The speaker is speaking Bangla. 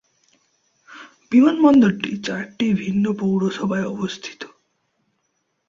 বিমানবন্দরটি চারটি ভিন্ন পৌরসভায় অবস্থিত।